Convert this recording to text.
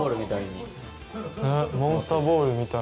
ねっモンスターボールみたい。